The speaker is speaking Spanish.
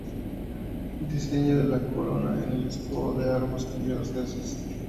El diseño de la Corona en el escudo de armas cambió dos veces.